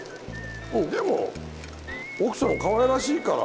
でも奥さんかわいらしいから。